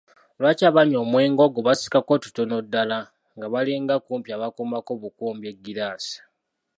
Lwaki abanywa omwenge ogwo basikako tutono nnyo ddala nga balinga kumpi abakomba obukombi eggiraasi